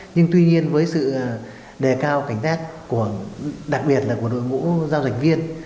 nhưng tuy nhiên với sự đề cao cảnh giác đặc biệt là của đội ngũ giao dịch viên